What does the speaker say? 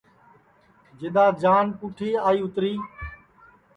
جِدؔا جان پُٹھی آئی اِتری